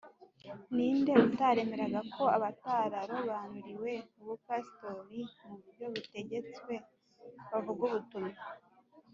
Ni nde utaremeraga ko abatararobanuriwe ubupasitori mu buryo butegetswe bavuga ubutumwa